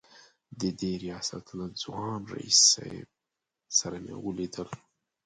د دې ریاست له ځوان رییس صیب سره مې ولیدل.